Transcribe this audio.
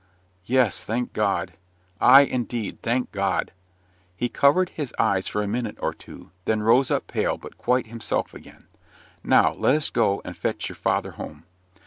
"Yes, thank God!" "Ay, indeed; thank God!" He covered his eyes for a minute or two, then rose up pale, but quite himself again. "Now let us go and fetch your father home."